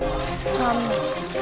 aku akan terus pakai cincin ini